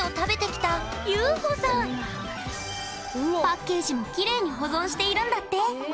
パッケージもきれいに保存しているんだって！